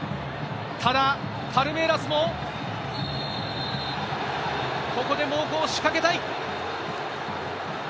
ただパルメイラスもここで猛攻を仕掛けたい。